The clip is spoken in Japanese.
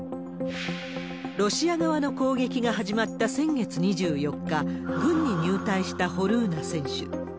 ロシア側の攻撃が始まった先月２４日、軍に入隊したホルーナ選手。